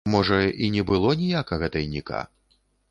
Можа, і не было ніякага тайніка?